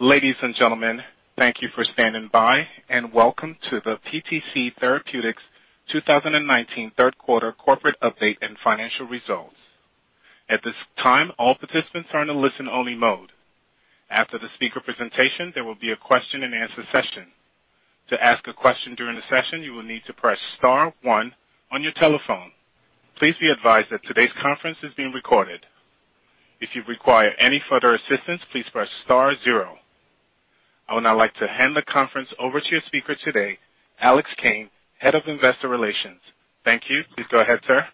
Ladies and gentlemen, thank you for standing by, and welcome to the PTC Therapeutics 2019 third quarter corporate update and financial results. At this time, all participants are in a listen-only mode. After the speaker presentation, there will be a question and answer session. To ask a question during the session, you will need to press star one on your telephone. Please be advised that today's conference is being recorded. If you require any further assistance, please press star zero. I would now like to hand the conference over to your speaker today, Alex Kane, Head of Investor Relations. Thank you. Please go ahead, sir.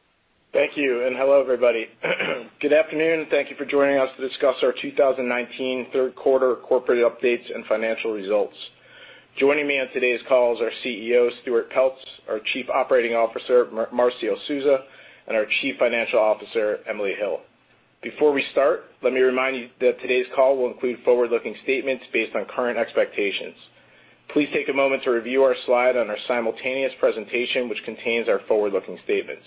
Thank you, and hello, everybody. Good afternoon. Thank you for joining us to discuss our 2019 third quarter corporate updates and financial results. Joining me on today's call is our CEO, Stuart Peltz, our Chief Operating Officer, Marcio Souza, and our Chief Financial Officer, Emily Hill. Before we start, let me remind you that today's call will include forward-looking statements based on current expectations. Please take a moment to review our slide on our simultaneous presentation, which contains our forward-looking statements.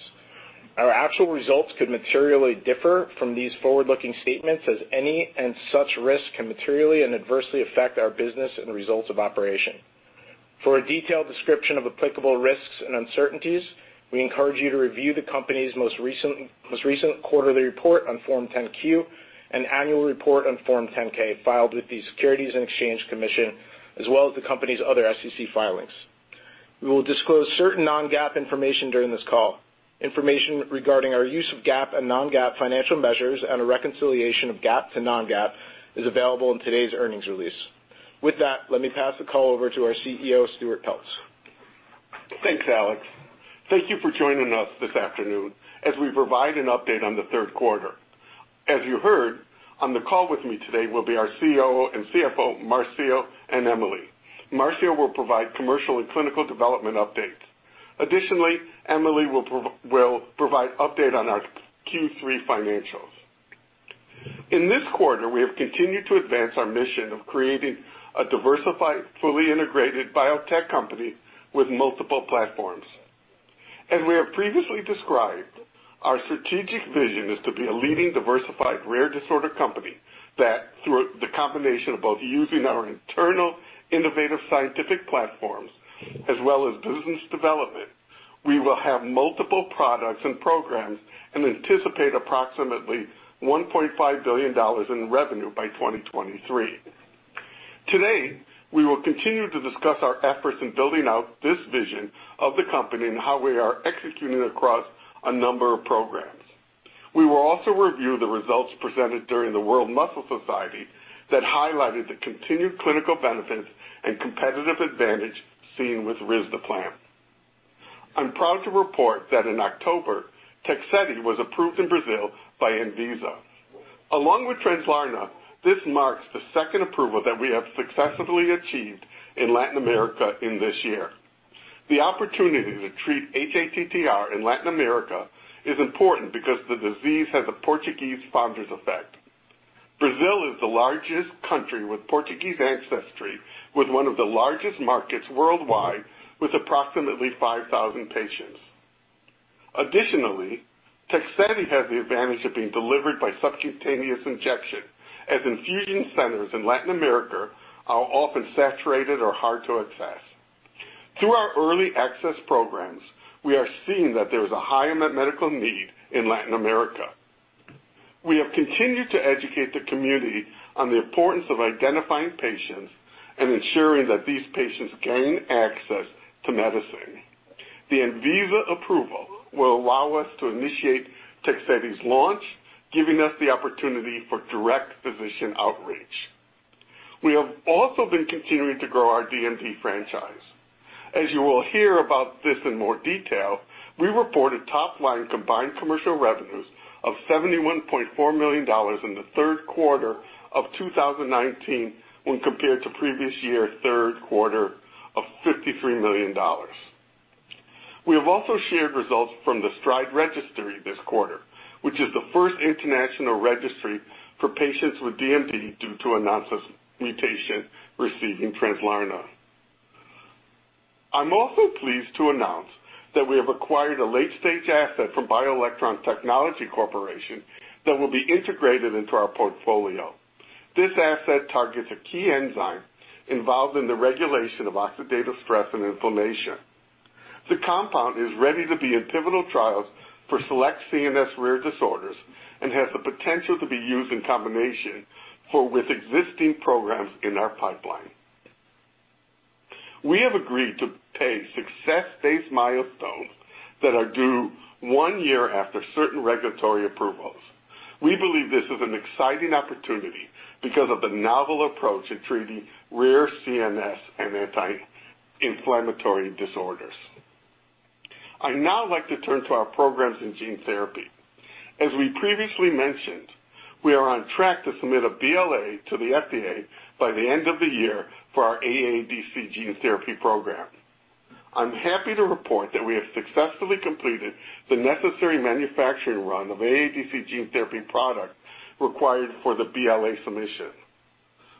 Our actual results could materially differ from these forward-looking statements, as any and such risks can materially and adversely affect our business and results of operation. For a detailed description of applicable risks and uncertainties, we encourage you to review the company's most recent quarterly report on Form 10-Q and annual report on Form 10-K filed with the Securities and Exchange Commission, as well as the company's other SEC filings. We will disclose certain non-GAAP information during this call. Information regarding our use of GAAP and non-GAAP financial measures and a reconciliation of GAAP to non-GAAP is available in today's earnings release. With that, let me pass the call over to our CEO, Stuart Peltz. Thanks, Alex. Thank you for joining us this afternoon as we provide an update on the third quarter. As you heard, on the call with me today will be our COO and CFO, Marcio and Emily. Marcio will provide commercial and clinical development updates. Emily will provide update on our Q3 financials. In this quarter, we have continued to advance our mission of creating a diversified, fully integrated biotech company with multiple platforms. As we have previously described, our strategic vision is to be a leading diversified rare disorder company that, through the combination of both using our internal innovative scientific platforms as well as business development, we will have multiple products and programs and anticipate approximately $1.5 billion in revenue by 2023. Today, we will continue to discuss our efforts in building out this vision of the company and how we are executing across a number of programs. We will also review the results presented during the World Muscle Society that highlighted the continued clinical benefit and competitive advantage seen with Risdiplam. I'm proud to report that in October, Tegsedi was approved in Brazil by Anvisa. Along with Translarna, this marks the second approval that we have successfully achieved in Latin America in this year. The opportunity to treat hATTR in Latin America is important because the disease has a Portuguese founder's effect. Brazil is the largest country with Portuguese ancestry, with one of the largest markets worldwide, with approximately 5,000 patients. Additionally, Tegsedi has the advantage of being delivered by subcutaneous injection, as infusion centers in Latin America are often saturated or hard to access. Through our early access programs, we are seeing that there is a high unmet medical need in Latin America. We have continued to educate the community on the importance of identifying patients and ensuring that these patients gain access to medicine. The Anvisa approval will allow us to initiate Tegsedi's launch, giving us the opportunity for direct physician outreach. We have also been continuing to grow our DMD franchise. As you will hear about this in more detail, we reported top-line combined commercial revenues of $71.4 million in the third quarter of 2019 when compared to previous year third quarter of $53 million. We have also shared results from the STRIDE registry this quarter, which is the first international registry for patients with DMD due to a nonsense mutation receiving Translarna. I'm also pleased to announce that we have acquired a late-stage asset from BioElectron Technology Corporation that will be integrated into our portfolio. This asset targets a key enzyme involved in the regulation of oxidative stress and inflammation. The compound is ready to be in pivotal trials for select CNS rare disorders and has the potential to be used in combination with existing programs in our pipeline. We have agreed to pay success-based milestones that are due one year after certain regulatory approvals. We believe this is an exciting opportunity because of the novel approach in treating rare CNS and anti-inflammatory disorders. I'd now like to turn to our programs in gene therapy. As we previously mentioned, we are on track to submit a BLA to the FDA by the end of the year for our AADC gene therapy program. I'm happy to report that we have successfully completed the necessary manufacturing run of AADC gene therapy product required for the BLA submission.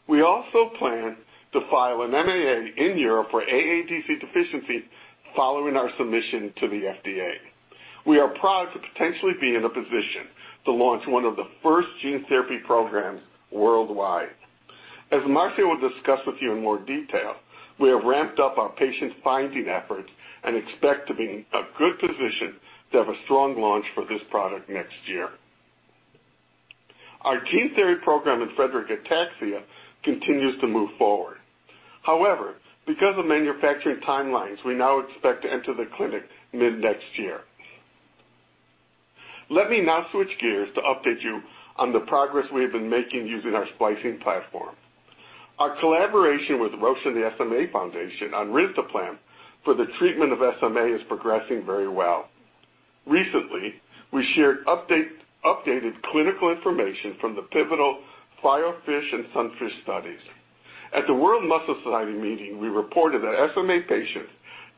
We also plan to file an MAA in Europe for AADC deficiency following our submission to the FDA. We are proud to potentially be in a position to launch one of the first gene therapy programs worldwide. As Marcio will discuss with you in more detail, we have ramped up our patient-finding efforts and expect to be in a good position to have a strong launch for this product next year. Our gene therapy program in Friedreich ataxia continues to move forward. Because of manufacturing timelines, we now expect to enter the clinic mid-next year. Let me now switch gears to update you on the progress we have been making using our splicing platform. Our collaboration with Roche and the SMA Foundation on Risdiplam for the treatment of SMA is progressing very well. Recently, we shared updated clinical information from the pivotal FIREFISH and SUNFISH studies. At the World Muscle Society meeting, we reported that SMA patients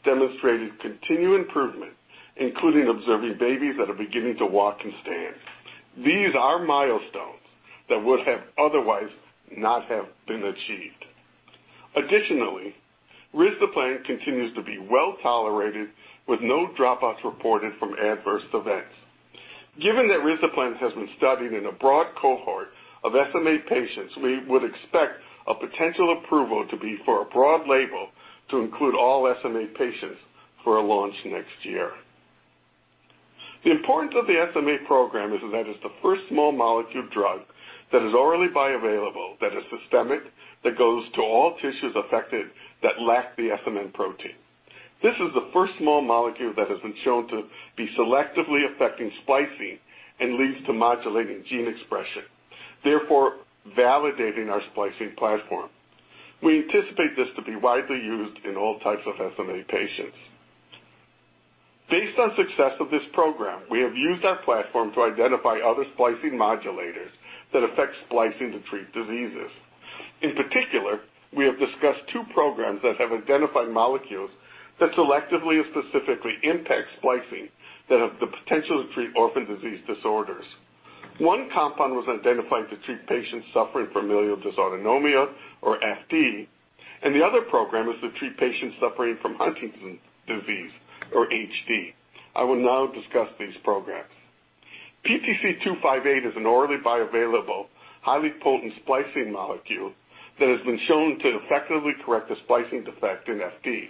demonstrated continued improvement, including observing babies that are beginning to walk and stand. These are milestones that would have otherwise not have been achieved. Additionally, Risdiplam continues to be well-tolerated, with no dropouts reported from adverse events. Given that Risdiplam has been studied in a broad cohort of SMA patients, we would expect a potential approval to be for a broad label to include all SMA patients for a launch next year. The importance of the SMA program is that it's the first small molecule drug that is orally bioavailable, that is systemic, that goes to all tissues affected that lack the SMN protein. This is the first small molecule that has been shown to be selectively affecting splicing and leads to modulating gene expression, therefore validating our splicing platform. We anticipate this to be widely used in all types of SMA patients. Based on success of this program, we have used our platform to identify other splicing modulators that affect splicing to treat diseases. In particular, we have discussed two programs that have identified molecules that selectively and specifically impact splicing that have the potential to treat orphan disease disorders. One compound was identified to treat patients suffering from familial dysautonomia, or FD, and the other program is to treat patients suffering from Huntington's disease, or HD. I will now discuss these programs. PTC-258 is an orally bioavailable, highly potent splicing molecule that has been shown to effectively correct a splicing defect in FD.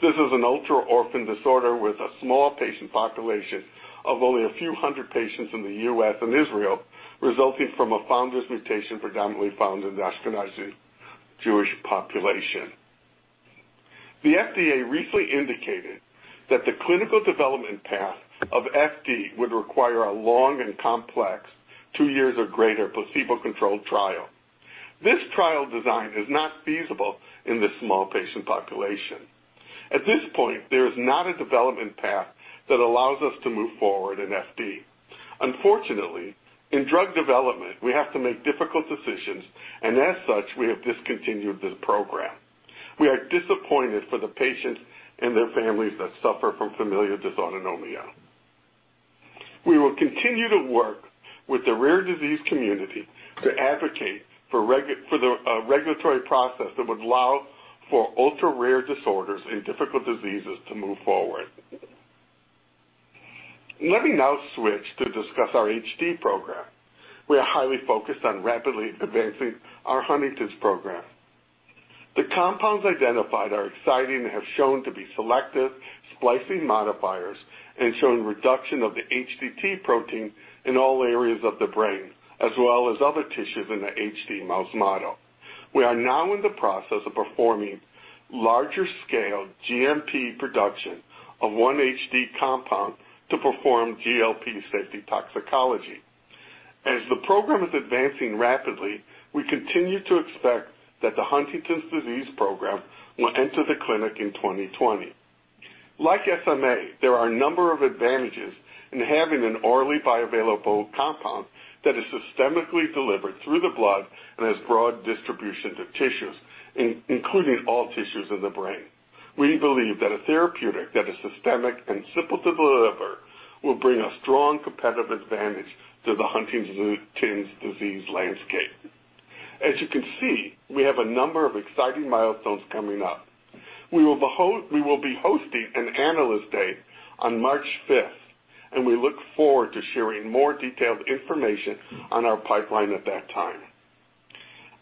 This is an ultra-orphan disorder with a small patient population of only a few hundred patients in the U.S. and Israel, resulting from a founder's mutation predominantly found in the Ashkenazi Jewish population. The FDA recently indicated that the clinical development path of FD would require a long and complex 2 years or greater placebo-controlled trial. This trial design is not feasible in this small patient population. At this point, there is not a development path that allows us to move forward in FD. Unfortunately, in drug development, we have to make difficult decisions, and as such, we have discontinued this program. We are disappointed for the patients and their families that suffer from familial dysautonomia. We will continue to work with the rare disease community to advocate for the regulatory process that would allow for ultra-rare disorders and difficult diseases to move forward. Let me now switch to discuss our HD program. We are highly focused on rapidly advancing our Huntington's program. The compounds identified are exciting and have shown to be selective splicing modifiers and shown reduction of the HTT protein in all areas of the brain, as well as other tissues in the HD mouse model. We are now in the process of performing larger-scale GMP production of one HD compound to perform GLP safety toxicology. As the program is advancing rapidly, we continue to expect that the Huntington's disease program will enter the clinic in 2020. Like SMA, there are a number of advantages in having an orally bioavailable compound that is systemically delivered through the blood and has broad distribution to tissues, including all tissues in the brain. We believe that a therapeutic that is systemic and simple to deliver will bring a strong competitive advantage to the Huntington's disease landscape. As you can see, we have a number of exciting milestones coming up. We will be hosting an analyst day on March fifth, and we look forward to sharing more detailed information on our pipeline at that time.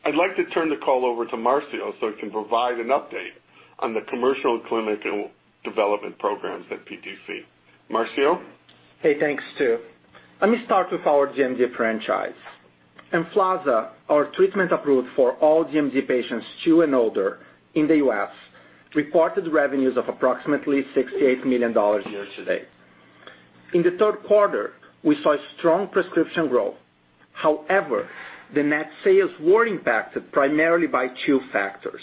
I'd like to turn the call over to Marcio so he can provide an update on the commercial and clinical development programs at PTC. Marcio? Hey, thanks, Stu. Let me start with our DMD franchise. EMFLAZA, our treatment approved for all DMD patients two and older in the U.S., reported revenues of approximately $68 million year to date. In the third quarter, we saw strong prescription growth. The net sales were impacted primarily by two factors.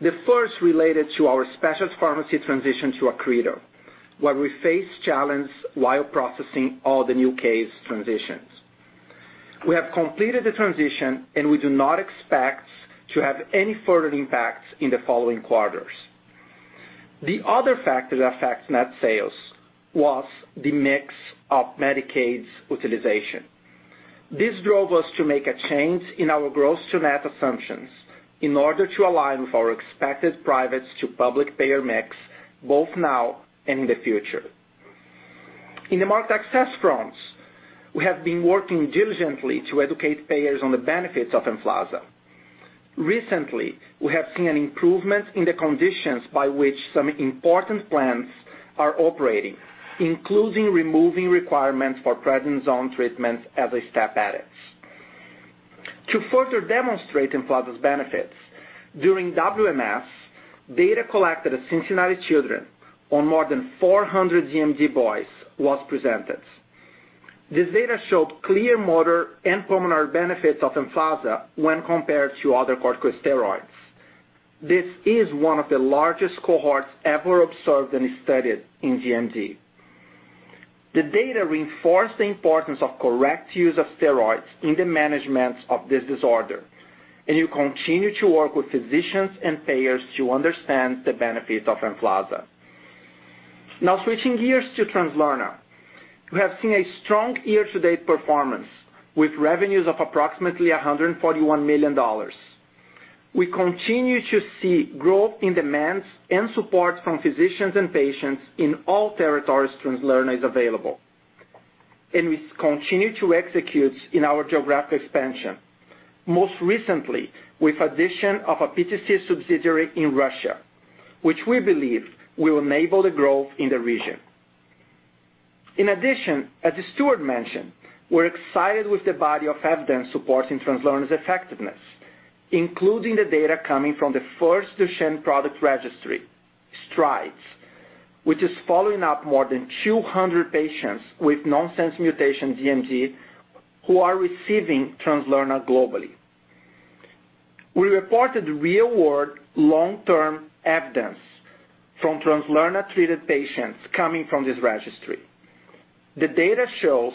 The first related to our specialist pharmacy transition to Accredo, where we faced challenge while processing all the new case transitions. We have completed the transition, and we do not expect to have any further impacts in the following quarters. The other factor that affects net sales was the mix of Medicaid's utilization. This drove us to make a change in our gross to net assumptions in order to align with our expected privates to public payer mix, both now and in the future. In the market access fronts, we have been working diligently to educate payers on the benefits of EMFLAZA. Recently, we have seen an improvement in the conditions by which some important plans are operating, including removing requirements for prednisone treatment as a step edits. To further demonstrate EMFLAZA's benefits, during WMS, data collected at Cincinnati Children's on more than 400 DMD boys was presented. This data showed clear motor and pulmonary benefits of EMFLAZA when compared to other corticosteroids. This is one of the largest cohorts ever observed and studied in DMD. The data reinforced the importance of correct use of steroids in the management of this disorder. We continue to work with physicians and payers to understand the benefits of EMFLAZA. Now switching gears to Translarna. We have seen a strong year-to-date performance, with revenues of approximately $141 million. We continue to see growth in demands and support from physicians and patients in all territories Translarna is available. We continue to execute in our geographic expansion, most recently with addition of a PTC subsidiary in Russia, which we believe will enable the growth in the region. In addition, as Stuart mentioned, we are excited with the body of evidence supporting Translarna's effectiveness, including the data coming from the first Duchenne product registry, STRIDE, which is following up more than 200 patients with nonsense mutation DMD who are receiving Translarna globally. We reported real-world long-term evidence from Translarna-treated patients coming from this registry. The data shows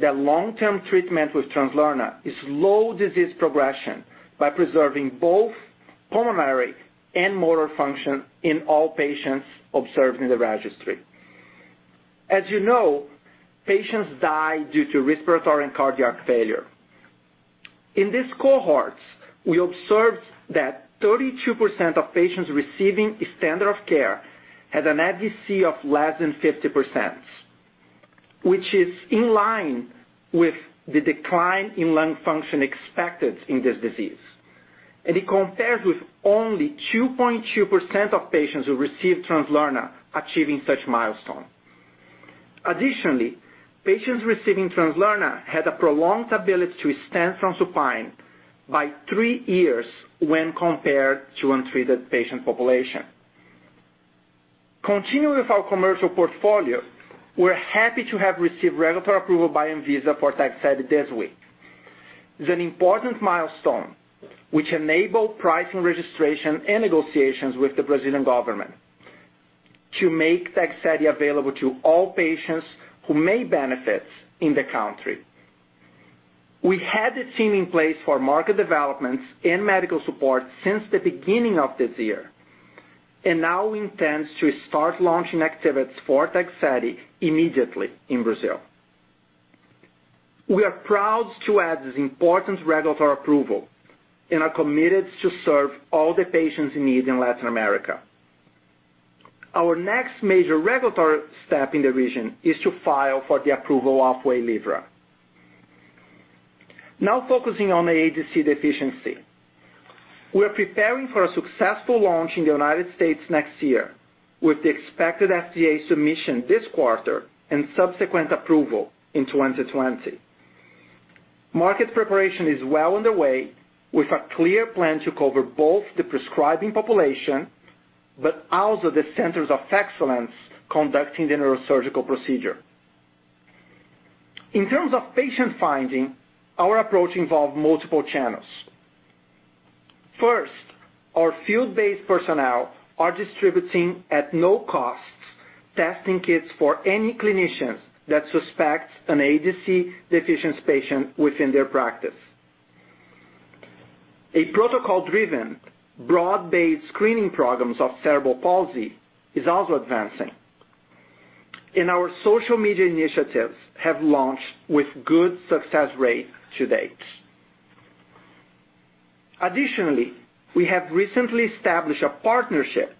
that long-term treatment with Translarna slows disease progression by preserving both pulmonary and motor function in all patients observed in the registry. As you know, patients die due to respiratory and cardiac failure. In this cohort, we observed that 32% of patients receiving standard of care had an FVC of less than 50%, which is in line with the decline in lung function expected in this disease. It compares with only 2.2% of patients who received Translarna achieving such milestone. Additionally, patients receiving Translarna had a prolonged ability to stand from supine by three years when compared to untreated patient population. Continuing with our commercial portfolio, we're happy to have received regulatory approval by Anvisa for Tegsedi this week. It's an important milestone which enable pricing, registration, and negotiations with the Brazilian government to make Tegsedi available to all patients who may benefit in the country. We had the team in place for market developments and medical support since the beginning of this year, and now intends to start launching activities for Tegsedi immediately in Brazil. We are proud to add this important regulatory approval and are committed to serve all the patients in need in Latin America. Our next major regulatory step in the region is to file for the approval of WAYLIVRA. Focusing on AADC deficiency. We're preparing for a successful launch in the U.S. next year with the expected FDA submission this quarter and subsequent approval in 2020. Market preparation is well underway with a clear plan to cover both the prescribing population, but also the centers of excellence conducting the neurosurgical procedure. In terms of patient finding, our approach involved multiple channels. First, our field-based personnel are distributing, at no cost, testing kits for any clinicians that suspect an AADC deficiency patient within their practice. A protocol-driven, broad-based screening programs of cerebral palsy is also advancing, and our social media initiatives have launched with good success rate to date. Additionally, we have recently established a partnership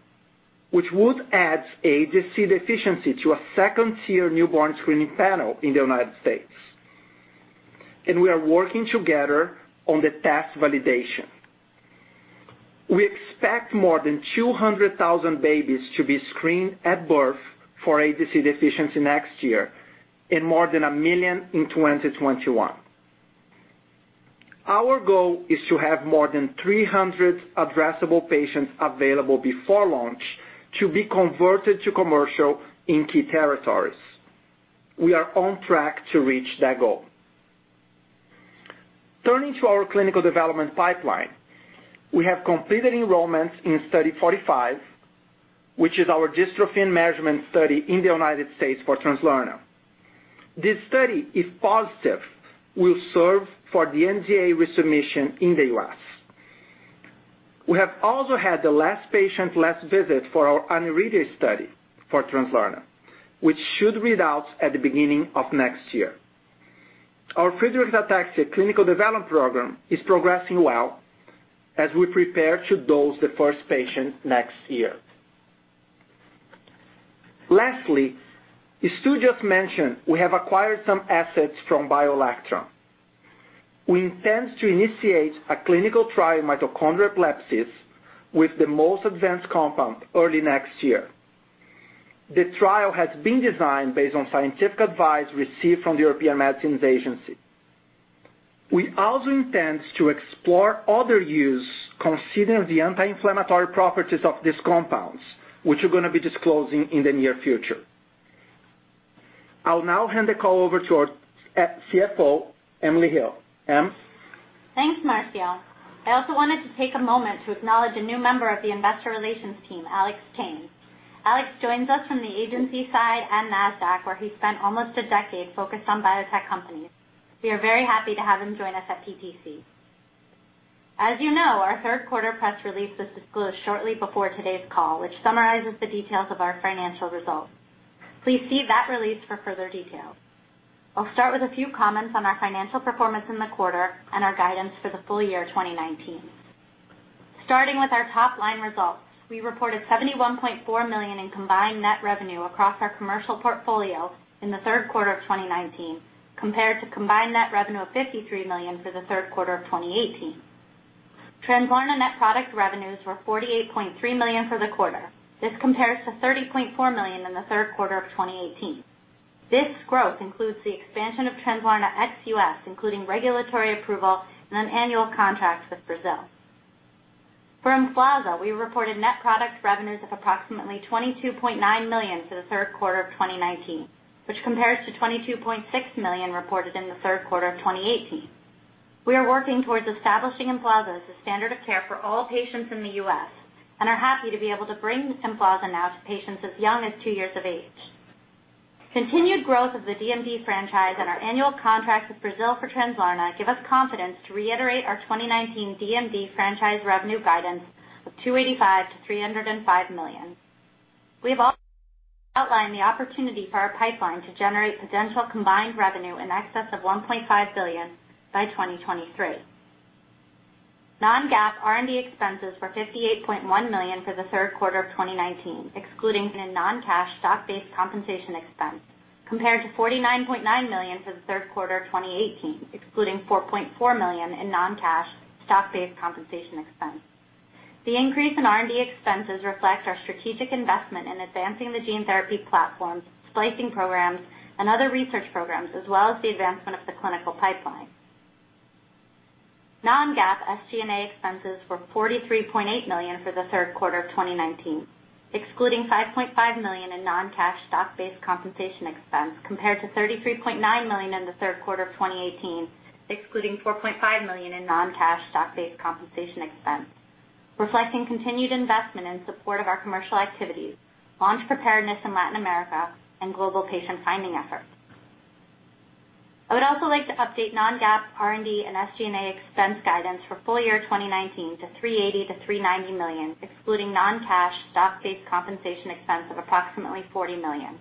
which would add AADC deficiency to a second-tier newborn screening panel in the U.S., and we are working together on the test validation. We expect more than 200,000 babies to be screened at birth for AADC deficiency next year and more than 1 million in 2021. Our goal is to have more than 300 addressable patients available before launch to be converted to commercial in key territories. We are on track to reach that goal. Turning to our clinical development pipeline. We have completed enrollment in Study 045, which is our dystrophin management study in the U.S. for Translarna. This study, if positive, will serve for the NDA resubmission in the U.S. We have also had the last patient, last visit for our aniridia study for Translarna, which should read out at the beginning of next year. Our Friedreich ataxia clinical development program is progressing well as we prepare to dose the first patient next year. Lastly, Stu just mentioned, we have acquired some assets from BioElectron. We intend to initiate a clinical trial in mitochondrial epilepsies with the most advanced compound early next year. The trial has been designed based on scientific advice received from the European Medicines Agency. We also intend to explore other uses considering the anti-inflammatory properties of these compounds, which we're going to be disclosing in the near future. I'll now hand the call over to our CFO, Emily Hill. Em? Thanks, Marcio. I also wanted to take a moment to acknowledge a new member of the investor relations team, Alex Kane. Alex joins us from the agency side and Nasdaq, where he spent almost a decade focused on biotech companies. We are very happy to have him join us at PTC. As you know, our third quarter press release was disclosed shortly before today's call, which summarizes the details of our financial results. Please see that release for further details. I'll start with a few comments on our financial performance in the quarter and our guidance for the full year 2019. Starting with our top-line results, we reported $71.4 million in combined net revenue across our commercial portfolio in the third quarter of 2019, compared to combined net revenue of $53 million for the third quarter of 2018. Translarna net product revenues were $48.3 million for the quarter. This compares to $30.4 million in the third quarter of 2018. This growth includes the expansion of Translarna ex-U.S., including regulatory approval and an annual contract with Brazil. For EMFLAZA, we reported net product revenues of approximately $22.9 million for the third quarter of 2019, which compares to $22.6 million reported in the third quarter of 2018. We are working towards establishing EMFLAZA as a standard of care for all patients in the U.S. and are happy to be able to bring EMFLAZA now to patients as young as two years of age. Continued growth of the DMD franchise and our annual contract with Brazil for Translarna give us confidence to reiterate our 2019 DMD franchise revenue guidance of $285 million-$305 million. We have also outlined the opportunity for our pipeline to generate potential combined revenue in excess of $1.5 billion by 2023. Non-GAAP R&D expenses were $58.1 million for the third quarter of 2019, excluding a non-cash stock-based compensation expense, compared to $49.9 million for the third quarter of 2018, excluding $4.4 million in non-cash stock-based compensation expense. The increase in R&D expenses reflect our strategic investment in advancing the gene therapy platforms, splicing programs, and other research programs, as well as the advancement of the clinical pipeline. Non-GAAP SG&A expenses were $43.8 million for the third quarter of 2019, excluding $5.5 million in non-cash stock-based compensation expense, compared to $33.9 million in the third quarter of 2018, excluding $4.5 million in non-cash stock-based compensation expense, reflecting continued investment in support of our commercial activities, launch preparedness in Latin America, and global patient finding efforts. I would also like to update non-GAAP R&D and SG&A expense guidance for full year 2019 to $380 million-$390 million, excluding non-cash stock-based compensation expense of approximately $40 million,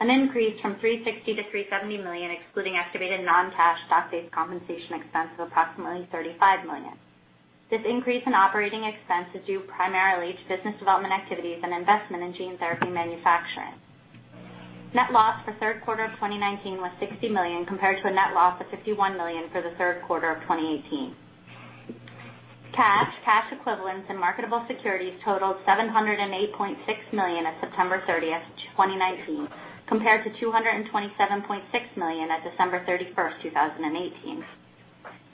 an increase from $360 million-$370 million, excluding estimated non-cash stock-based compensation expense of approximately $35 million. This increase in operating expense is due primarily to business development activities and investment in gene therapy manufacturing. Net loss for the third quarter of 2019 was $60 million, compared to a net loss of $51 million for the third quarter of 2018. Cash, cash equivalents, and marketable securities totaled $708.6 million at September 30th, 2019, compared to $227.6 million at December 31st, 2018.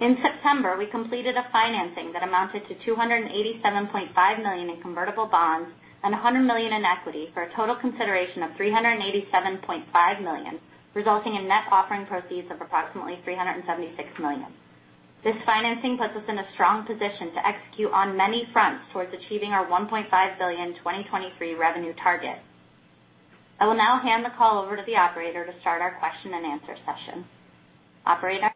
In September, we completed a financing that amounted to $287.5 million in convertible bonds and $100 million in equity for a total consideration of $387.5 million, resulting in net offering proceeds of approximately $376 million. This financing puts us in a strong position to execute on many fronts towards achieving our $1.5 billion 2023 revenue target. I will now hand the call over to the operator to start our question and answer session. Operator?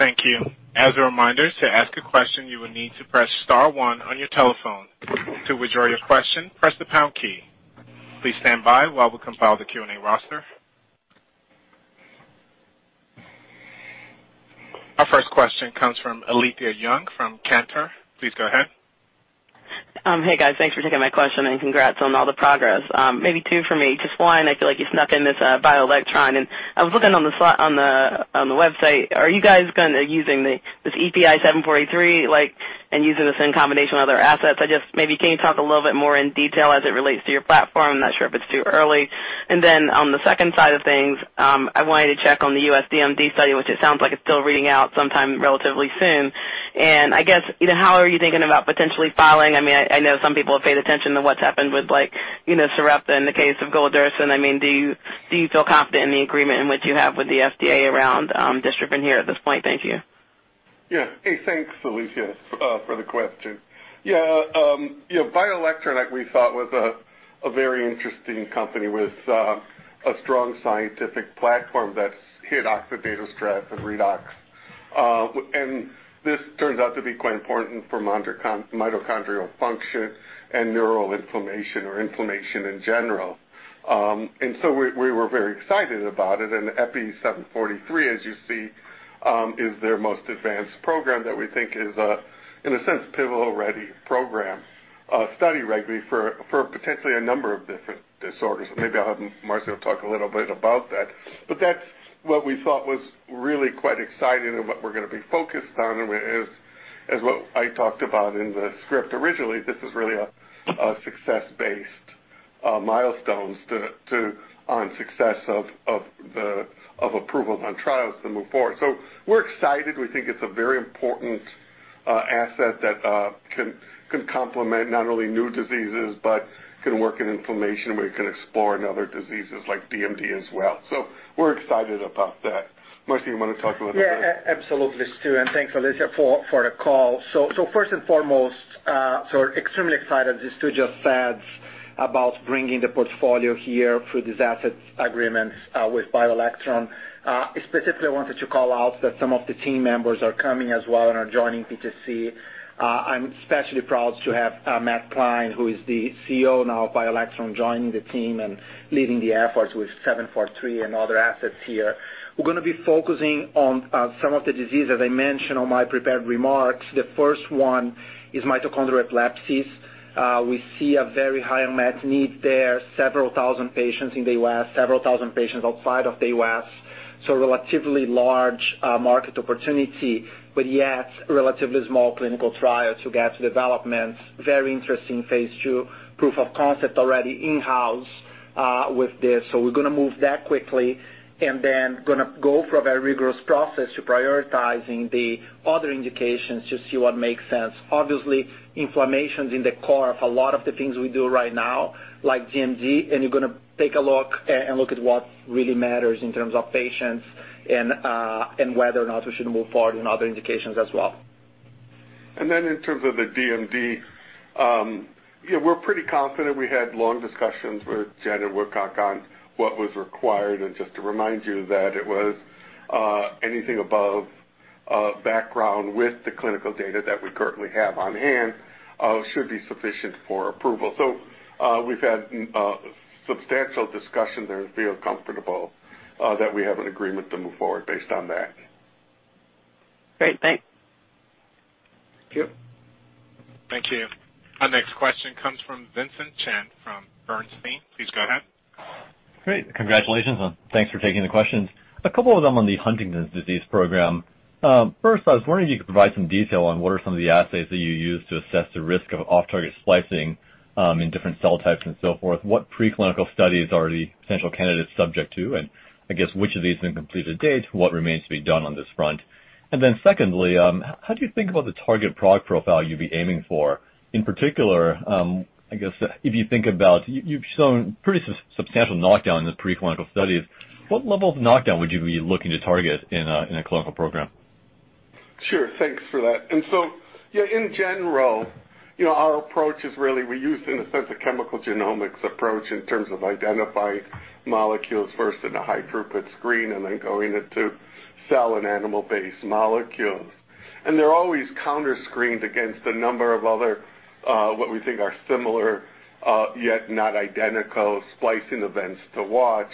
Thank you. As a reminder, to ask a question, you will need to press *1 on your telephone. To withdraw your question, press the # key. Please stand by while we compile the Q&A roster. Our first question comes from Alethia Young from Cantor. Please go ahead. Hey, guys. Thanks for taking my question. Congrats on all the progress. Maybe two for me. Just one, I feel like you snuck in this BioElectron. I was looking on the website. Are you guys using this EPI-743 and using this in combination with other assets? Maybe can you talk a little bit more in detail as it relates to your platform? I'm not sure if it's too early. On the second side of things, I wanted to check on the U.S. DMD study, which it sounds like it's still reading out sometime relatively soon. I guess, how are you thinking about potentially filing? I know some people have paid attention to what's happened with Sarepta in the case of golodirsen. Do you feel confident in the agreement in which you have with the FDA around dystrophin here at this point? Thank you. Hey, thanks, Alethia, for the question. BioElectron, we thought was a A very interesting company with a strong scientific platform that's hit oxidative stress and redox. This turns out to be quite important for mitochondrial function and neural inflammation, or inflammation in general. We were very excited about it, and EPI-743, as you see, is their most advanced program that we think is, in a sense, pivotal-ready program, a study ready for potentially a number of different disorders. Maybe I'll have Marcio talk a little bit about that. That's what we thought was really quite exciting and what we're going to be focused on and is what I talked about in the script originally. This is really success-based milestones on success of approval on trials to move forward. We're excited. We think it's a very important asset that can complement not only new diseases but can work in inflammation, we can explore in other diseases like DMD as well. We're excited about that. Marcio, you want to talk a little bit? Absolutely, Stu, thanks, Alethia, for the call. First and foremost, extremely excited, as Stu just said, about bringing the portfolio here through this asset agreement with BioElectron. I specifically wanted to call out that some of the team members are coming as well and are joining PTC. I'm especially proud to have Matt Klein, who is the CEO now of BioElectron, joining the team and leading the efforts with 743 and other assets here. We're going to be focusing on some of the diseases I mentioned on my prepared remarks. The first one is mitochondrial epilepsies. We see a very high unmet need there. Several thousand patients in the U.S., several thousand patients outside of the U.S., relatively large market opportunity, yet relatively small clinical trial to get to development. Very interesting phase II proof of concept already in-house with this. We're going to move that quickly and then going to go through a very rigorous process to prioritizing the other indications to see what makes sense. Obviously, inflammation's in the core of a lot of the things we do right now, like DMD, and you're going to take a look at what really matters in terms of patients and whether or not we should move forward in other indications as well. In terms of the DMD, we're pretty confident. We had long discussions with Jen and Woodcock on what was required. Just to remind you that it was anything above background with the clinical data that we currently have on hand should be sufficient for approval. We've had substantial discussion there and feel comfortable that we have an agreement to move forward based on that. Great. Thanks. Thank you. Thank you. Our next question comes from Vincent Chen from Bernstein. Please go ahead. Great. Congratulations, and thanks for taking the questions. A couple of them on the Huntington's disease program. First, I was wondering if you could provide some detail on what are some of the assays that you use to assess the risk of off-target splicing in different cell types and so forth. What preclinical studies are the potential candidates subject to? I guess which of these have been completed to date? What remains to be done on this front? Secondly, how do you think about the target product profile you'd be aiming for? In particular, I guess if you think about you've shown pretty substantial knockdown in the preclinical studies. What level of knockdown would you be looking to target in a clinical program? Sure. Thanks for that. In general, our approach is really we use, in a sense, a chemical genomics approach in terms of identifying molecules first in a high-throughput screen and then going into cell and animal-based molecules. They're always counter-screened against a number of other what we think are similar, yet not identical splicing events to watch.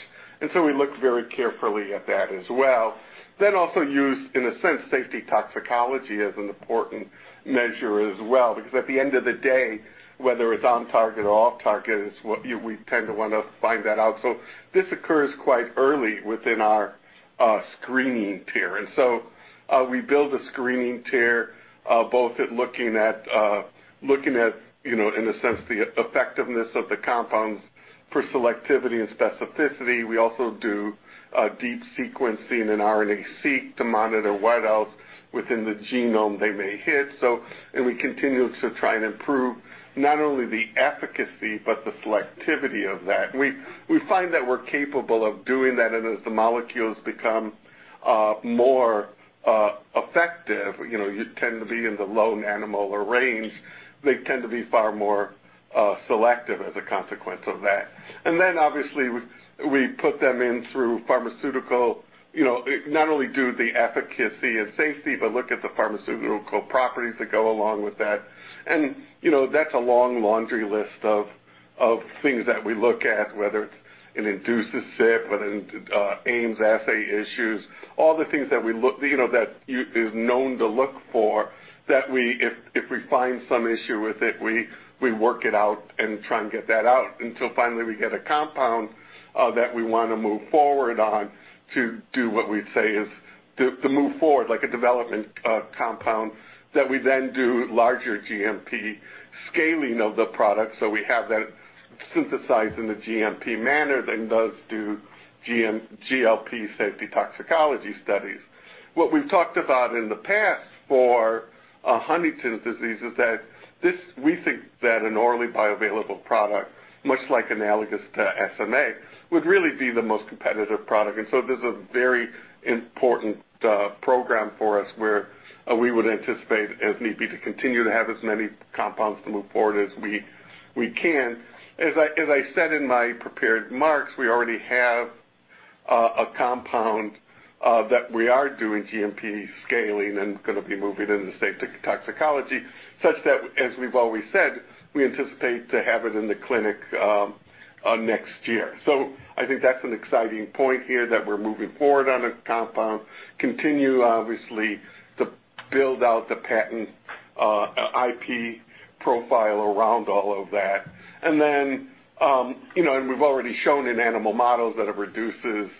We look very carefully at that as well. Also use, in a sense, safety toxicology as an important measure as well, because at the end of the day, whether it's on target or off target, we tend to want to find that out. This occurs quite early within our screening tier. We build a screening tier both at looking at, in a sense, the effectiveness of the compounds for selectivity and specificity. We also do deep sequencing and RNA-seq to monitor what else within the genome they may hit. We continue to try and improve not only the efficacy but the selectivity of that. We find that we're capable of doing that, and as the molecules become more effective, you tend to be in the low nanomolar range. They tend to be far more selective as a consequence of that. Obviously, we put them in through pharmaceutical, not only do the efficacy and safety but look at the pharmaceutical properties that go along with that. That's a long laundry list of things that we look at, whether it induces CYP, whether in Ames assay issues, all the things that is known to look for that if we find some issue with it, we work it out and try and get that out until finally we get a compound that we want to move forward on to do what we say is to move forward like a development compound. That we then do larger GMP scaling of the product, so we have that synthesized in the GMP manner, then thus do GLP safety toxicology studies. What we've talked about in the past for Huntington's disease is that we think that an orally bioavailable product, much like analogous to SMA, would really be the most competitive product. This is a very important program for us, where we would anticipate as need be to continue to have as many compounds to move forward as we can. As I said in my prepared remarks, we already have a compound that we are doing GMP scaling and going to be moving into safety toxicology, such that, as we've always said, we anticipate to have it in the clinic next year. I think that's an exciting point here, that we're moving forward on a compound, continue, obviously, to build out the patent IP profile around all of that. We've already shown in animal models that it reduces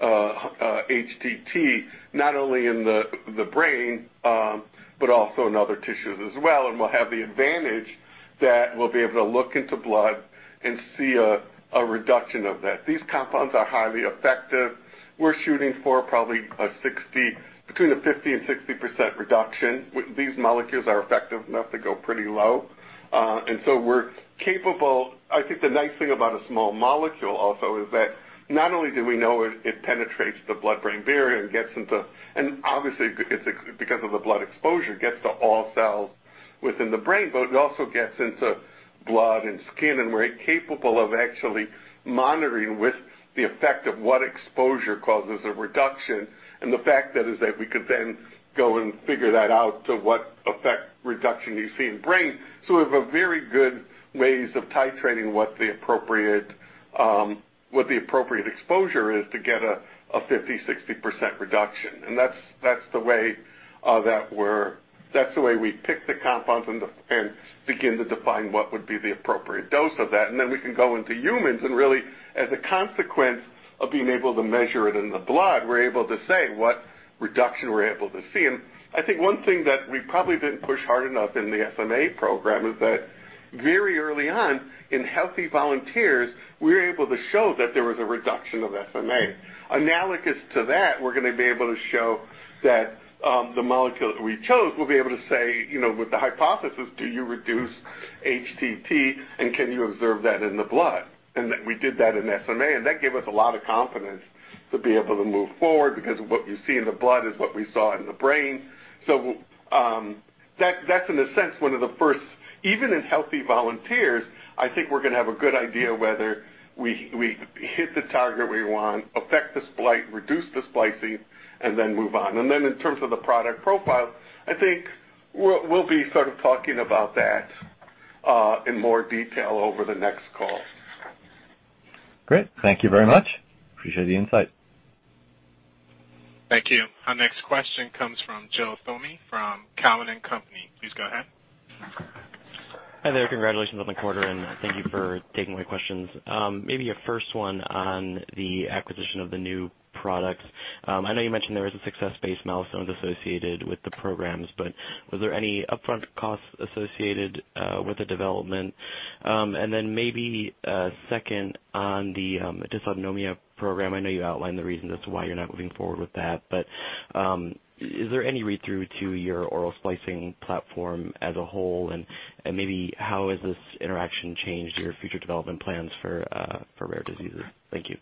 HTT, not only in the brain but also in other tissues as well. We'll have the advantage that we'll be able to look into blood and see a reduction of that. These compounds are highly effective. We're shooting for probably between a 50% and 60% reduction. These molecules are effective enough to go pretty low. I think the nice thing about a small molecule also is that not only do we know it penetrates the blood-brain barrier and gets into, and obviously, because of the blood exposure, gets to all cells within the brain, but it also gets into blood and skin. We're capable of actually monitoring with the effect of what exposure causes a reduction, and the fact that is that we could then go and figure that out to what effect reduction you see in brain. We have a very good ways of titrating what the appropriate exposure is to get a 50%, 60% reduction. That's the way we pick the compounds and begin to define what would be the appropriate dose of that. We can go into humans and really, as a consequence of being able to measure it in the blood, we're able to say what reduction we're able to see. I think one thing that we probably didn't push hard enough in the SMA program is that very early on in healthy volunteers, we were able to show that there was a reduction of SMA. Analogous to that, we're going to be able to show that the molecule we chose, we'll be able to say with the hypothesis, do you reduce HTT, and can you observe that in the blood? That we did that in SMA, and that gave us a lot of confidence to be able to move forward because what you see in the blood is what we saw in the brain. That's in the sense one of the first, even in healthy volunteers, I think we're going to have a good idea whether we hit the target we want, affect the splice, reduce the splicing, and then move on. In terms of the product profile, I think we'll be sort of talking about that in more detail over the next call. Great. Thank you very much. Appreciate the insight. Thank you. Our next question comes from Joseph Thome from Cowen and Company. Please go ahead. Hi there. Congratulations on the quarter. Thank you for taking my questions. A first one on the acquisition of the new products. I know you mentioned there was a success-based milestone associated with the programs. Was there any upfront costs associated with the development? A second on the dysautonomia program. I know you outlined the reasons as to why you're not moving forward with that. Is there any read-through to your oral splicing platform as a whole? How has this interaction changed your future development plans for rare diseases? Thank you.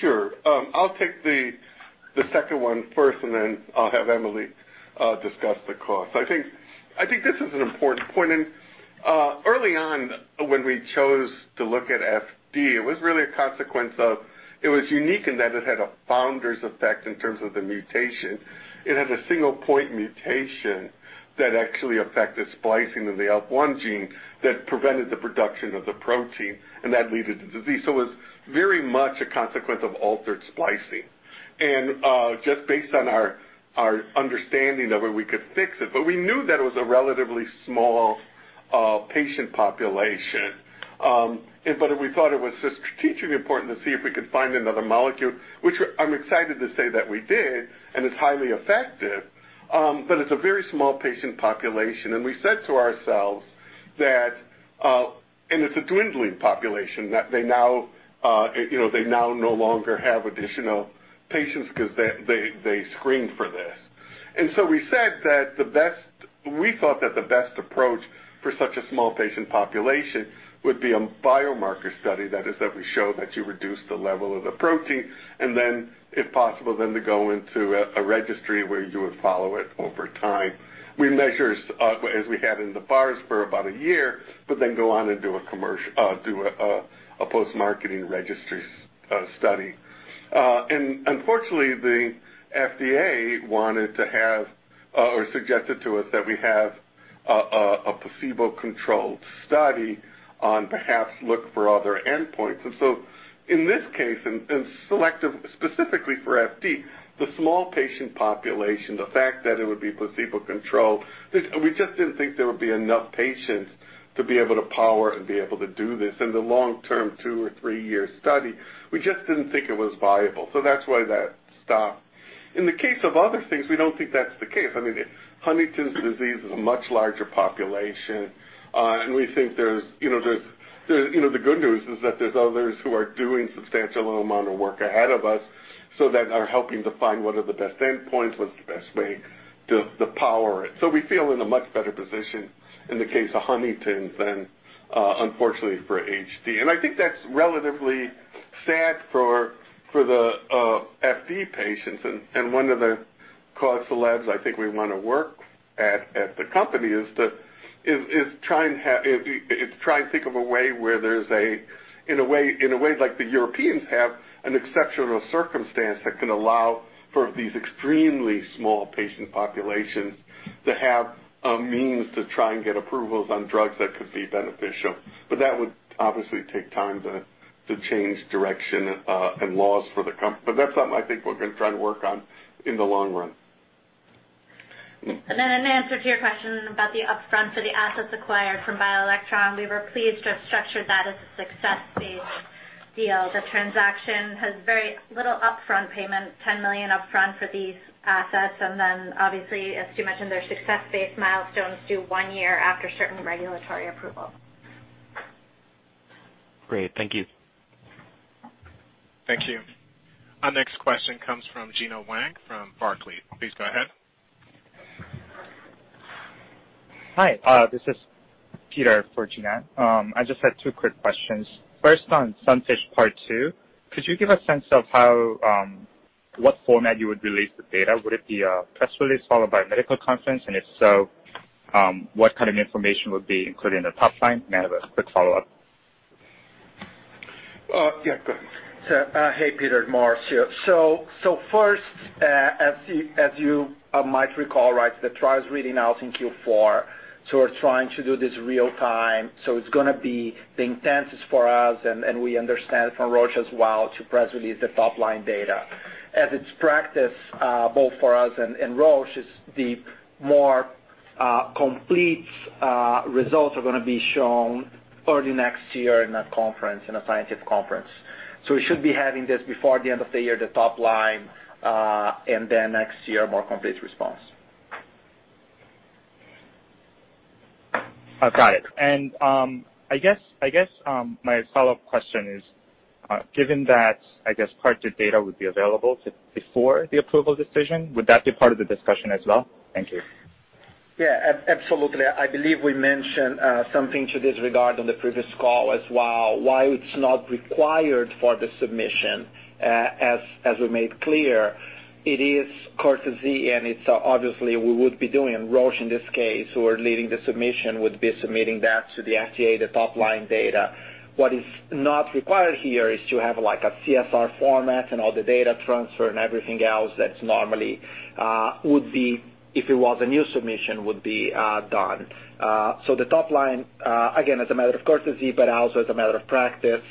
Sure. I'll take the second one first, then I'll have Emily discuss the cost. I think this is an important point. Early on when we chose to look at FD, it was unique in that it had a founder's effect in terms of the mutation. It had a single point mutation that actually affected splicing of the IKBKAP gene that prevented the production of the protein and that led to disease. It was very much a consequence of altered splicing. Just based on our understanding of where we could fix it. We knew that it was a relatively small patient population. We thought it was just strategically important to see if we could find another molecule, which I'm excited to say that we did, and it's highly effective. It's a very small patient population, and we said to ourselves that, and it's a dwindling population that they now no longer have additional patients because they screen for this. We said that we thought that the best approach for such a small patient population would be a biomarker study that is every show that you reduce the level of the protein. If possible, then to go into a registry where you would follow it over time. We measure as we have in the past for about a year, but then go on and do a post-marketing registry study. Unfortunately, the FDA wanted to have or suggested to us that we have a placebo-controlled study on perhaps look for other endpoints. In this case, and selective specifically for FD, the small patient population, the fact that it would be placebo-controlled, we just didn't think there would be enough patients to be able to power and be able to do this in the long-term two or three-year study. We just didn't think it was viable. That's why that stopped. In the case of other things, we don't think that's the case. I mean, Huntington's disease is a much larger population, and we think there's the good news is that there's others who are doing substantial amount of work ahead of us, so that are helping to find what are the best endpoints, what's the best way to power it. We feel in a much better position in the case of Huntington than unfortunately for HD. I think that's relatively sad for the FD patients. One of the causal laws I think we want to work at the company is trying to think of a way where there's, in a way like the Europeans have, an exceptional circumstance that can allow for these extremely small patient populations to have a means to try and get approvals on drugs that could be beneficial. That would obviously take time to change direction and laws for the company. That's something I think we're going to try to work on in the long run. In answer to your question about the upfront for the assets acquired from BioElectron, we were pleased to have structured that as a success-based deal. The transaction has very little upfront payment, $10 million upfront for these assets, obviously, as Stu mentioned, there are success-based milestones due one year after certain regulatory approval. Great. Thank you. Thank you. Our next question comes from Gena Wang from Barclays. Please go ahead. Hi. This is Peter for Gena. I just had two quick questions. First, on SUNFISH Part 2, could you give a sense of what format you would release the data? Would it be a press release followed by a medical conference, and if so, what kind of information would be included in the top line? I have a quick follow-up. Yeah, go ahead. Hey, Peter. Marcio here. First, as you might recall, the trial is reading out in Q4, so we're trying to do this real time. It's going to be the intent is for us, and we understand from Roche as well, to press release the top-line data. As it's practice, both for us and Roche, is the more complete results are going to be shown early next year in a scientific conference. We should be having this before the end of the year, the top line, and then next year, a more complete response. I've got it. I guess my follow-up question is, given that Part 2 data would be available before the approval decision, would that be part of the discussion as well? Thank you. Yeah, absolutely. I believe we mentioned something to this regard on the previous call as well. While it's not required for the submission, as we made clear, it is courtesy and obviously, we would be doing, and Roche in this case, who are leading the submission, would be submitting that to the FDA, the top-line data. What is not required here is to have a CSR format and all the data transfer and everything else that normally, if it was a new submission, would be done. The top line, again, as a matter of courtesy, but also as a matter of practice,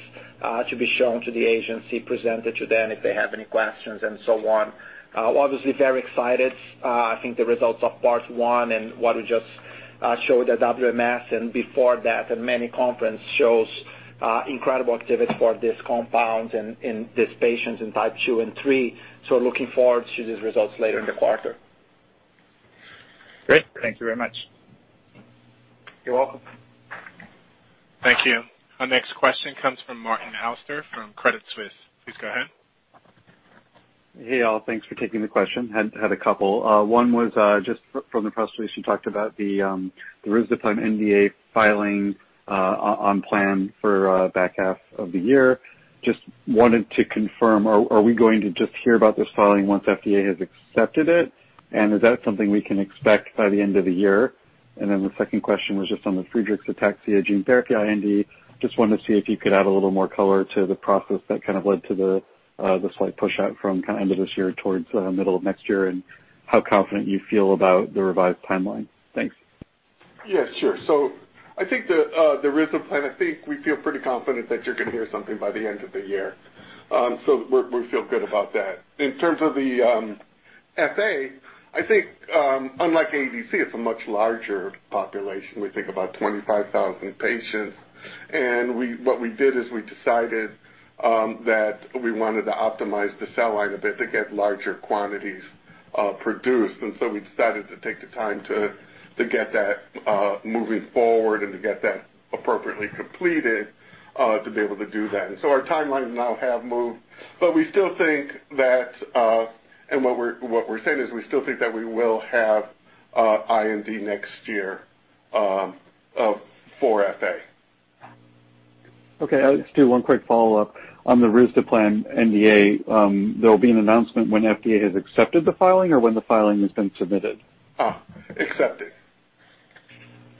to be shown to the agency, presented to them if they have any questions and so on. Obviously very excited. I think the results of Part One and what we just showed at WMS and before that at many conference shows incredible activity for these compounds in these patients in Type 2 and 3. Looking forward to these results later in the quarter. Great. Thank you very much. You're welcome. Thank you. Our next question comes from Martin Auster from Credit Suisse. Please go ahead. Hey, all. Thanks for taking the question. Had a couple. One was just from the press release, you talked about the Risdiplam NDA filing on plan for back half of the year. Just wanted to confirm, are we going to just hear about this filing once FDA has accepted it? Is that something we can expect by the end of the year? The second question was just on the Friedreich's ataxia gene therapy IND. Just wanted to see if you could add a little more color to the process that kind of led to the slight push out from end of this year towards the middle of next year, and how confident you feel about the revised timeline. Thanks. Yeah, sure. I think the Risdiplam, I think we feel pretty confident that you're going to hear something by the end of the year. We feel good about that. In terms of the FA, I think, unlike AADC, it's a much larger population. We think about 25,000 patients. What we did is we decided that we wanted to optimize the cell line a bit to get larger quantities produced. We decided to take the time to get that moving forward and to get that appropriately completed to be able to do that. Our timelines now have moved. What we're saying is we still think that we will have IND next year for FA. Okay. I'll just do one quick follow-up. On the Risdiplam NDA, there will be an announcement when FDA has accepted the filing or when the filing has been submitted? Accepted.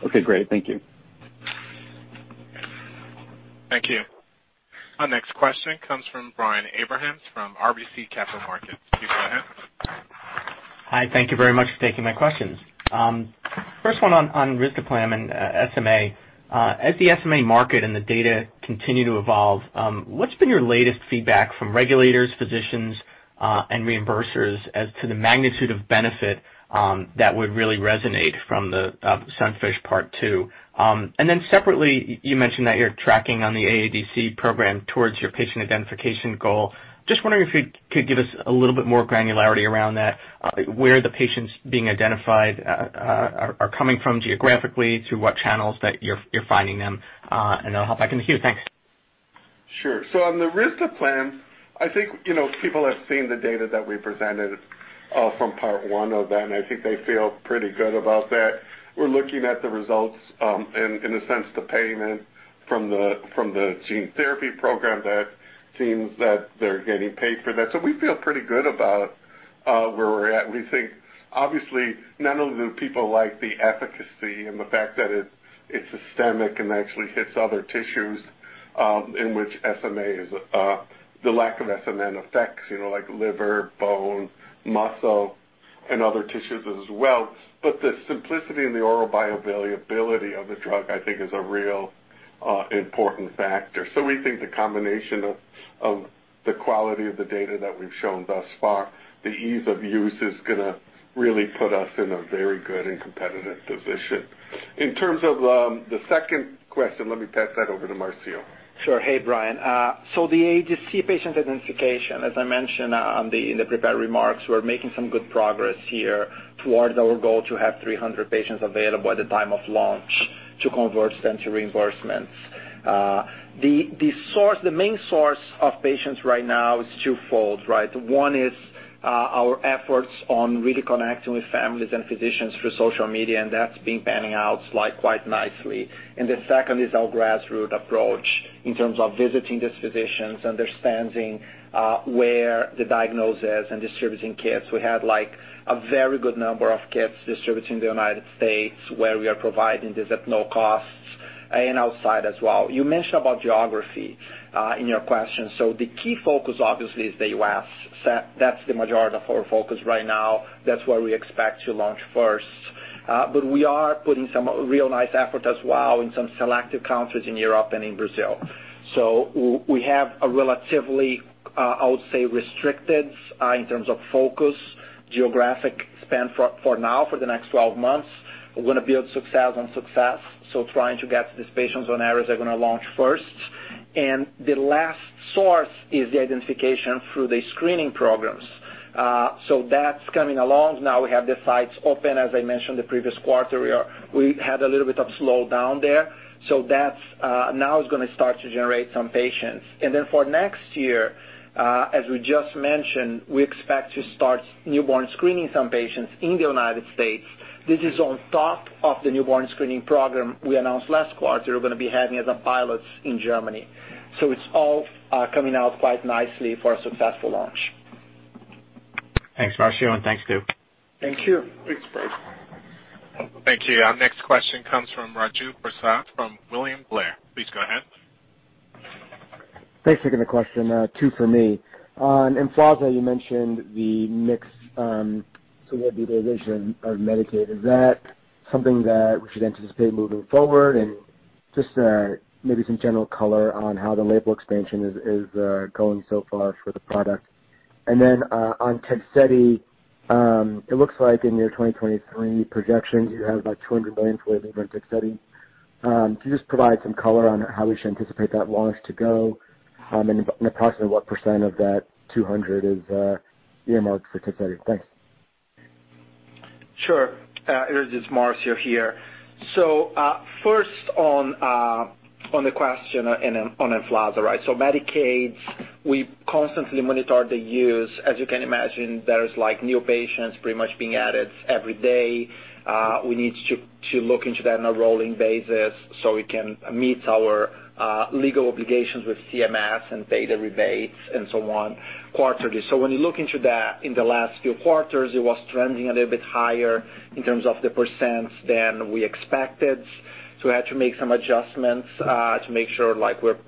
Okay, great. Thank you. Thank you. Our next question comes from Brian Abrahams from RBC Capital Markets. Please go ahead. Hi. Thank you very much for taking my questions. First one on Risdiplam and SMA. As the SMA market and the data continue to evolve, what's been your latest feedback from regulators, physicians, and reimbursers as to the magnitude of benefit that would really resonate from the SUNFISH Part 2? Separately, you mentioned that you're tracking on the AADC program towards your patient identification goal. Just wondering if you could give us a little bit more granularity around that, where the patients being identified are coming from geographically, through what channels that you're finding them, and how that can help. Thanks. Sure. On the Risdiplam, I think people have seen the data that we presented from part one of that, and I think they feel pretty good about that. We're looking at the results, and in a sense, the payment from the gene therapy program that seems that they're getting paid for that. We feel pretty good about where we're at. We think obviously, not only do people like the efficacy and the fact that it's systemic and actually hits other tissues, in which the lack of SMN affects, like liver, bone, muscle, and other tissues as well. The simplicity and the oral bioavailability of the drug, I think, is a real important factor. We think the combination of the quality of the data that we've shown thus far, the ease of use, is going to really put us in a very good and competitive position. In terms of the second question, let me pass that over to Marcio. Sure. Hey, Brian. The AADC patient identification, as I mentioned in the prepared remarks, we're making some good progress here towards our goal to have 300 patients available at the time of launch to convert then to reimbursements. The main source of patients right now is twofold. One is our efforts on really connecting with families and physicians through social media, and that's been panning out quite nicely. The second is our grassroot approach in terms of visiting these physicians, understanding where the diagnosis is, and distributing kits. We had a very good number of kits distributed in the U.S., where we are providing these at no costs, and outside as well. You mentioned about geography in your question. The key focus obviously is the U.S. That's the majority of our focus right now. That's where we expect to launch first. We are putting some real nice effort as well in some selective countries in Europe and in Brazil. We have a relatively, I would say, restricted in terms of focus, geographic span for now, for the next 12 months. We're going to build success on success, so trying to get to these patients on areas they're going to launch first. The last source is the identification through the screening programs. That's coming along. Now we have the sites open. As I mentioned, the previous quarter, we had a little bit of a slowdown there. That now is going to start to generate some patients. For next year, as we just mentioned, we expect to start newborn screening some patients in the U.S. This is on top of the Newborn Screening Program we announced last quarter. We're going to be having as a pilot in Germany. It's all coming out quite nicely for a successful launch. Thanks, Marcio, and thanks, Stu. Thank you. Thanks, Brian. Thank you. Our next question comes from Raju Prasad from William Blair. Please go ahead. Thanks for taking the question. Two for me. On EMFLAZA, you mentioned the mixed suitability of Medicaid. Is that something that we should anticipate moving forward? Just maybe some general color on how the label expansion is going so far for the product. Then on Tegsedi, it looks like in your 2023 projections, you have about $200 million for labeling for Tegsedi. Can you just provide some color on how we should anticipate that launch to go? Approximately what % of that $200 is earmarked for Tegsedi? Sure. It is Marcio here. First on the question on EMFLAZA. Medicaid, we constantly monitor the use. As you can imagine, there's new patients pretty much being added every day. We need to look into that on a rolling basis so we can meet our legal obligations with CMS and pay the rebates and so on quarterly. When you look into that, in the last few quarters, it was trending a little bit higher in terms of the % than we expected. We had to make some adjustments to make sure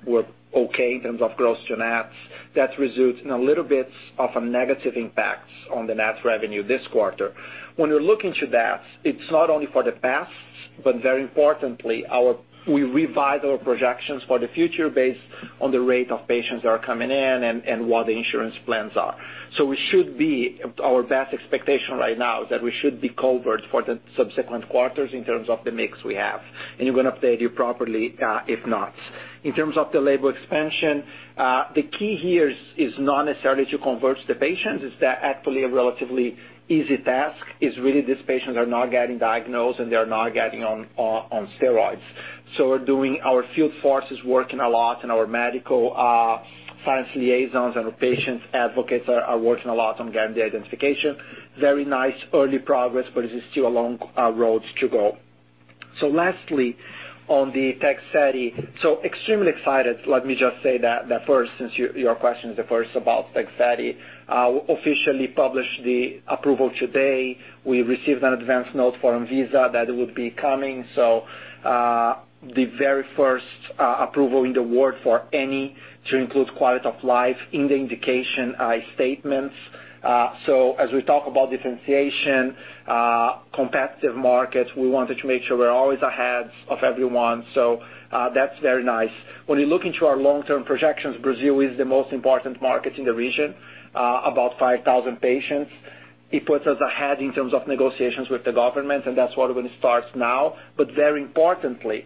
we're okay in terms of gross to net. That results in a little bit of a negative impact on the net revenue this quarter. You look into that, it's not only for the past, but very importantly, we revise our projections for the future based on the rate of patients that are coming in and what the insurance plans are. Our best expectation right now is that we should be covered for the subsequent quarters in terms of the mix we have, and we're going to update you properly if not. In terms of the label expansion, the key here is not necessarily to convert the patients. It's actually a relatively easy task. It's really these patients are not getting diagnosed, and they're not getting on steroids. Our field force is working a lot, and our medical science liaisons and our patient advocates are working a lot on getting the identification. Very nice early progress, it is still a long road to go. Lastly, on the Tegsedi. Extremely excited. Let me just say that first, since your question is the first about Tegsedi. Officially published the approval today. We received an advance note from Anvisa that it would be coming. The very first approval in the world for any to include quality of life in the indication statements. As we talk about differentiation, competitive markets, we wanted to make sure we're always ahead of everyone. That's very nice. When you look into our long-term projections, Brazil is the most important market in the region. About 5,000 patients. It puts us ahead in terms of negotiations with the government, and that's what we're going to start now. Very importantly,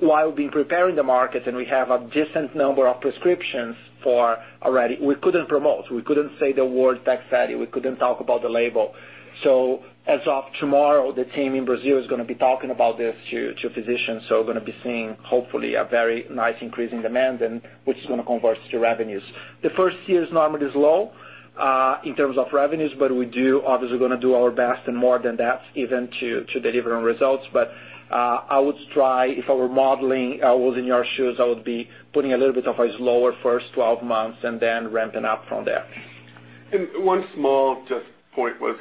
while we've been preparing the market and we have a decent number of prescriptions for already, we couldn't promote, we couldn't say the word Tegsedi, we couldn't talk about the label. As of tomorrow, the team in Brazil is going to be talking about this to physicians. We're going to be seeing hopefully a very nice increase in demand and which is going to convert to revenues. The first year is normally low in terms of revenues, but we do, obviously, going to do our best and more than that even to deliver on results. I would try, if I were modeling, I was in your shoes, I would be putting a little bit of a slower first 12 months and then ramping up from there. One small just point was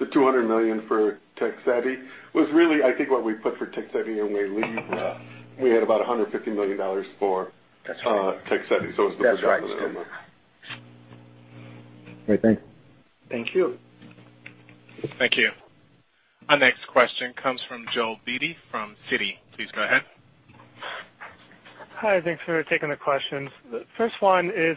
the $200 million for Tegsedi was really, I think, what we put for Tegsedi when we laid. We had about $150 million for- That's right. Tegsedi. It's That's right. Great. Thanks. Thank you. Thank you. Our next question comes from Joel Beatty from Citi. Please go ahead. Hi. Thanks for taking the questions. First one is,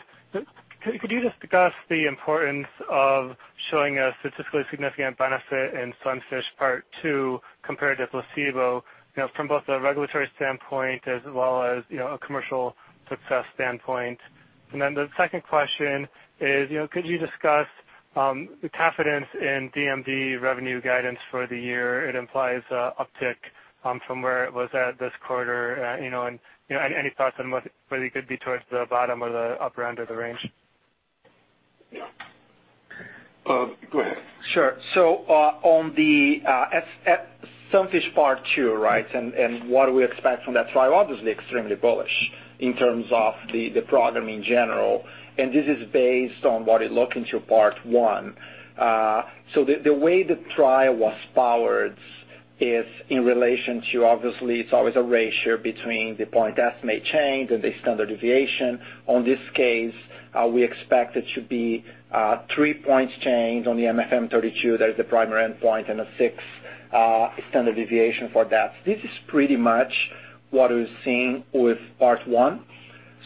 could you just discuss the importance of showing a statistically significant benefit in SUNFISH Part 2 compared to placebo, from both a regulatory standpoint as well as a commercial success standpoint? The second question is, could you discuss the confidence in DMD revenue guidance for the year? It implies a uptick from where it was at this quarter, and any thoughts on whether it could be towards the bottom or the upper end of the range? Go ahead. Sure. On the SUNFISH Part 2, right, and what we expect from that trial, obviously extremely bullish in terms of the program in general. This is based on what it looked into Part 1. The way the trial was powered is in relation to, obviously, it's always a ratio between the point estimate change and the standard deviation. In this case, we expect it to be three points change on the MFM32. That is the primary endpoint and a six standard deviation for that. This is pretty much what is seen with Part 1.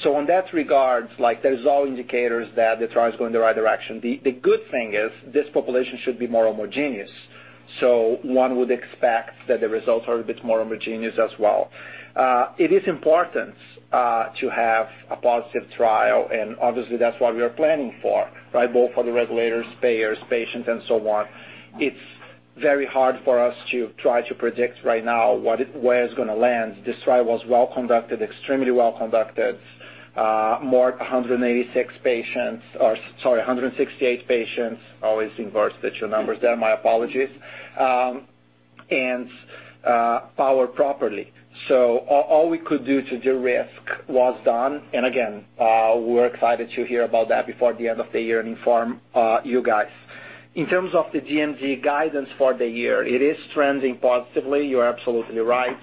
In that regard, there is all indicators that the trial is going in the right direction. The good thing is this population should be more homogeneous. One would expect that the results are a bit more homogeneous as well. It is important to have a positive trial. Obviously, that's what we are planning for, right? Both for the regulators, payers, patients, and so on. It's very hard for us to try to predict right now where it's going to land. This trial was well conducted, extremely well conducted. More 186 patients, or sorry, 168 patients. Always inverse the two numbers there, my apologies, and powered properly. All we could do to derisk was done. Again, we're excited to hear about that before the end of the year and inform you guys. In terms of the DMD guidance for the year, it is trending positively. You're absolutely right.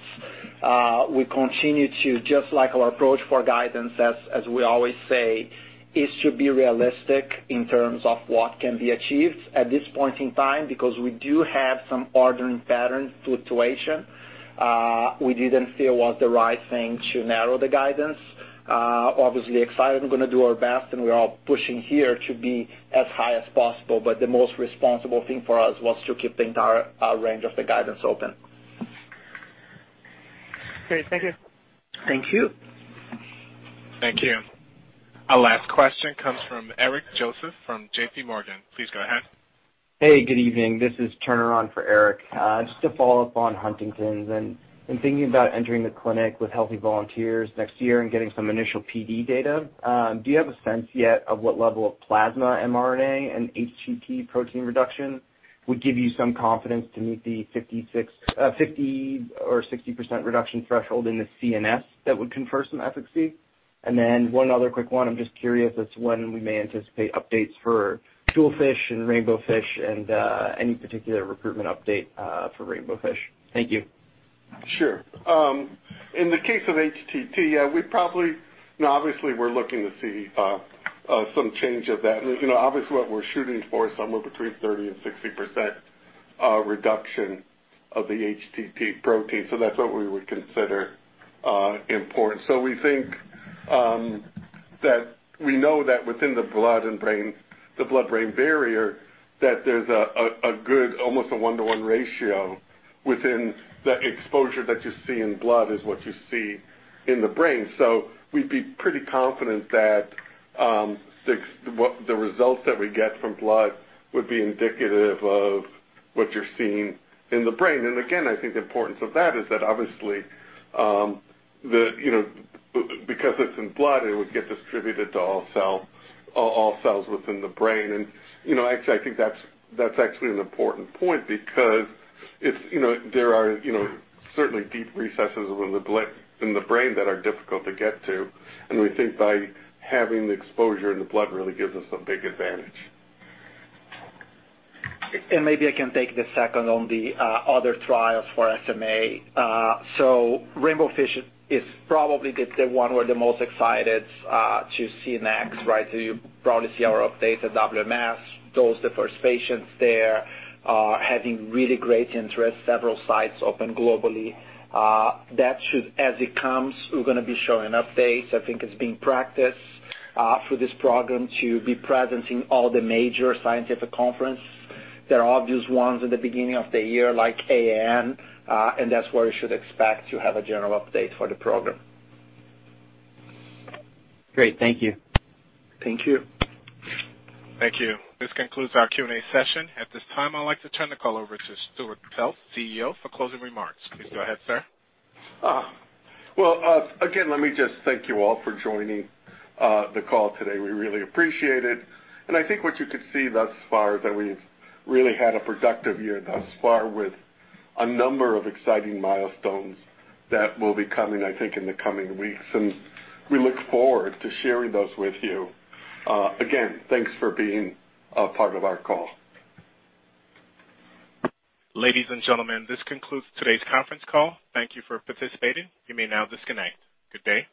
Just like our approach for guidance as we always say, is to be realistic in terms of what can be achieved at this point in time, because we do have some ordering pattern fluctuation. We didn't feel it was the right thing to narrow the guidance. Obviously excited and going to do our best, and we are all pushing here to be as high as possible, but the most responsible thing for us was to keep the entire range of the guidance open. Great. Thank you. Thank you. Thank you. Our last question comes from Eric Joseph from JPMorgan. Please go ahead. Hey, good evening. This is Turner on for Eric. Just to follow up on Huntington's and thinking about entering the clinic with healthy volunteers next year and getting some initial PD data. Do you have a sense yet of what level of plasma mRNA and HTT protein reduction would give you some confidence to meet the 50% or 60% reduction threshold in the CNS that would confer some efficacy? One other quick one. I'm just curious as to when we may anticipate updates for JEWELFISH and RAINBOWFISH and any particular recruitment update for RAINBOWFISH. Thank you. Sure. In the case of HTT, obviously, we're looking to see some change of that. Obviously, what we're shooting for is somewhere between 30% and 60% reduction of the HTT protein. That's what we would consider important. We know that within the blood and brain, the blood-brain barrier, that there's a good almost a one-to-one ratio within the exposure that you see in blood is what you see in the brain. Again, I think the importance of that is that obviously, because it's in blood, it would get distributed to all cells within the brain. Actually, I think that's actually an important point because there are certainly deep recesses within the brain that are difficult to get to, and we think by having the exposure in the blood really gives us a big advantage. Maybe I can take the second on the other trials for SMA. RAINBOWFISH is probably the one we're the most excited to see next, right? You probably see our update at dosed the first patients there, are having really great interest, several sites open globally. That should, as it comes, we're going to be showing updates. I think it's being practiced for this program to be present in all the major scientific conference. There are obvious ones at the beginning of the year, like AAN, and that's where you should expect to have a general update for the program. Great. Thank you. Thank you. Thank you. This concludes our Q&A session. At this time, I'd like to turn the call over to Stuart Peltz, CEO, for closing remarks. Please go ahead, sir. Well, again, let me just thank you all for joining the call today. We really appreciate it. I think what you could see thus far is that we've really had a productive year thus far with a number of exciting milestones that will be coming, I think, in the coming weeks. We look forward to sharing those with you. Again, thanks for being a part of our call. Ladies and gentlemen, this concludes today's conference call. Thank you for participating. You may now disconnect. Good day.